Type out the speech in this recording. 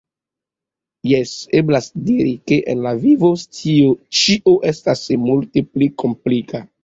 Jes, eblas diri, ke en la vivo ĉio estas multe pli komplika.